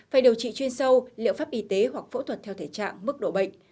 phải điều trị chuyên sâu liệu pháp y tế hoặc phẫu thuật theo thể trạng mức độ bệnh